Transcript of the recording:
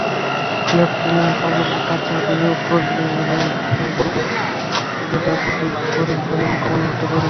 Flat কেনায় কালোটাকা বিনিয়োগ করলে বরং বর্গমিটারপ্রতি করের পরিমাণ কমানো হতে পারে।